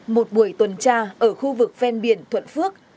một buổi tuần tra ở khu vực ven biển thuận phước